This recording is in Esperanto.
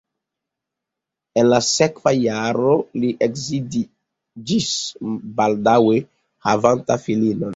En la sekva jaro li edziĝis baldaŭe havanta filinon.